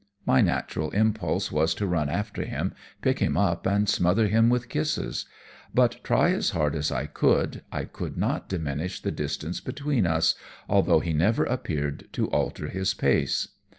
My natural impulse was to run after him, pick him up and smother him with kisses; but try as hard as I could, I could not diminish the distance between us, although he never appeared to alter his pace.